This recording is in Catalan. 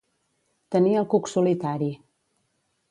Tenir el cuc solitari.